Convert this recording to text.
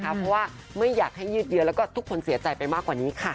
เพราะว่าไม่อยากให้ยืดเยอะแล้วก็ทุกคนเสียใจไปมากกว่านี้ค่ะ